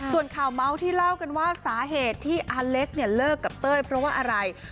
ส่วนข่าวเมาส์ที่เล่ากันว่าสาเหตุที่อาเล็กเนี่ยเลิกกับเต้ยเพราะว่าอะไร